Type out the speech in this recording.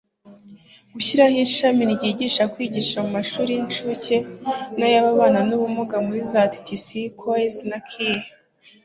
gushyiraho ishami ryigisha kwigisha mu mashuri y'incuke n'ay'ababana n'ubumuga muri za ttc, coes na kie